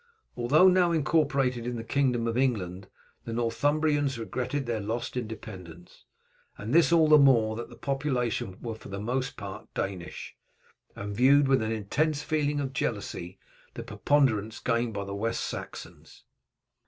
Although now incorporated in the kingdom of England the Northumbrians regretted their lost independence, and this all the more, that the population were for the most part Danish, and viewed with an intense feeling of jealousy the preponderance gained by the West Saxons.